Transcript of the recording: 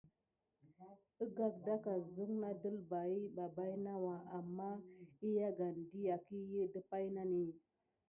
Əgagdakane zuk na dəlbahə ɓa baïnawa, amma əyagane dʼəyagkəhi də paynane.